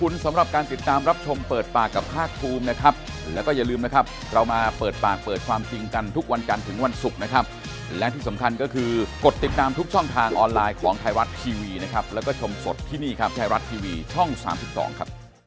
รับรับคุมสดที่นี่ครับแชร์รัดทีวีช่อง๓๒ครับ